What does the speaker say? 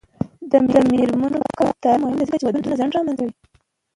د میرمنو کار او تعلیم مهم دی ځکه چې ودونو ځنډ رامنځته کوي.